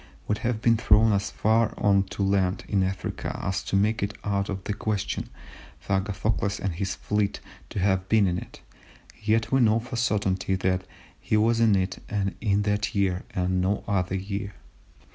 would have been thrown so far on to land, in Africa, as to make it out of the question for Agathocles and his fleet to have been in it, yet we know for a certainty that he was in it in that year, and no other year.